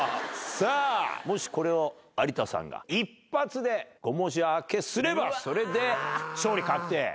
もしこれを有田さんが一発で５文字開けすればそれで勝利確定。